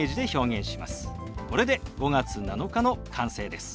これで「５月７日」の完成です。